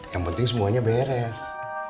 yang penting semuanya beres